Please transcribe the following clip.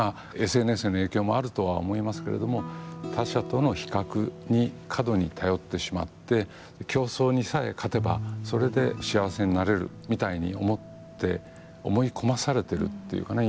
今ＳＮＳの影響もあるとは思いますけれども他者との比較に過度に頼ってしまって競争にさえ勝てば、それで幸せになれるみたいに思って思い込まされてるっていうかな。